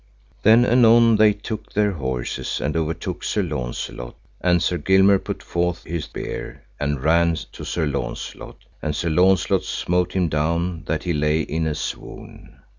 Then anon they took their horses and overtook Sir Launcelot, and Sir Gilmere put forth his spear, and ran to Sir Launcelot, and Sir Launcelot smote him down that he lay in a swoon.